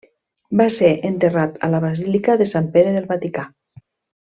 Va ser enterrat a la basílica de Sant Pere del Vaticà.